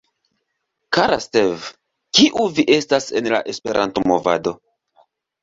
Kara Steve, kiu vi estas en la Esperanto-movado?